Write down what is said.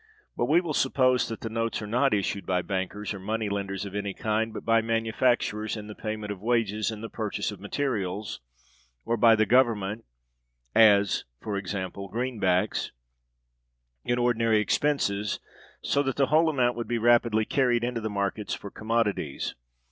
But we will suppose that the notes are not issued by bankers, or money lenders of any kind, but by manufacturers, in the payment of wages and the purchase of materials, or by the Government [as, e.g., greenbacks] in its ordinary expenses, so that the whole amount would be rapidly carried into the markets for commodities.